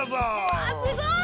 わすごい。